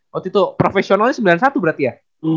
waktu itu profesionalnya sembilan puluh satu berarti ya